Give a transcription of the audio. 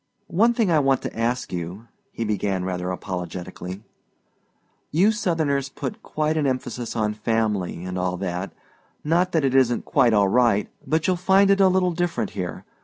"One thing I want to ask you," he began rather apologetically; "you Southerners put quite an emphasis on family, and all that not that it isn't quite all right, but you'll find it a little different here.